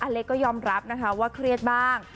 เล็กก็ยอมรับนะคะว่าเครียดบ้าง